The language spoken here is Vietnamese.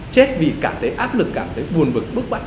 chết vì cảm thấy áp lực cảm thấy buồn bực bức bạc